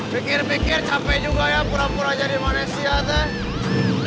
pikir pikir capek juga ya pura pura jadi manusia teh